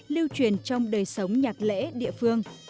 lưu truyền trong đời sống nhạc lễ địa phương